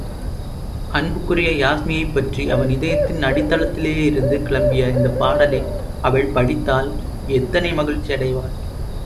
அன்புக்குரிய யாஸ்மியைப் பற்றி அவன் இதயத்தின் அடித்தளத்திலேயிருந்து கிளம்பிய இந்தப் பாடலை அவள் படித்தால் எத்தனை மகிழ்ச்சியடைவாள்!